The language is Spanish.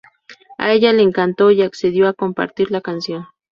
A ella le encantó y accedió a compartir la canción.